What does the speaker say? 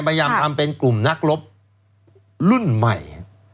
พยายามทำเป็นกลุ่มนักรบรุ่นใหม่